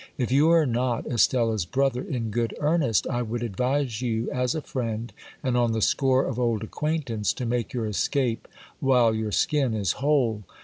If you are not Estella's brother in good earnest, I would advise you as a friend, and on the score of old acquaintance, to make your escape while your skin is whole.